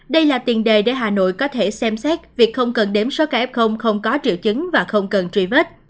đây là tiền đề để hà nội có thể xem xét việc không cần đếm số ca f không có triệu chứng và không cần truy vết